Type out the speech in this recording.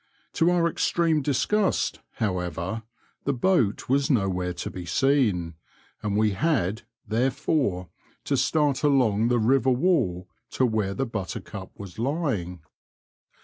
To our extreme disgust, however, the boat was nowhere to be seen ; and we had, therefore, to start along the river wall to where the Buttercup was lying.